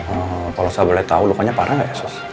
oh kalau saya boleh tahu lukanya parah nggak ya